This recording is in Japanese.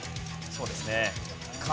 そうですね。